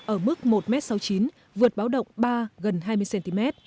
ở mức một sáu mươi chín m vượt báo động ba gần hai mươi cm